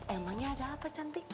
emangnya ada apa cantik